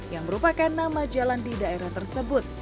yang merupakan nama jalan di daerah tersebut